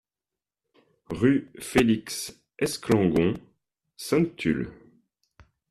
Rue Felix Esclangon, Sainte-Tulle